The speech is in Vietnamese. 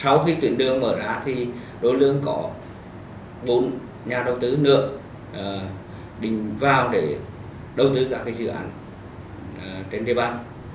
sau khi tuyển đường mở ra thì đô lương có bốn nhà đầu tư nữa định vào để đầu tư các cái dự án trên địa bàn